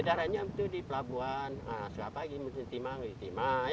di daratnya itu di pelabuhan setiap pagi mencinti manggil mencinti manggil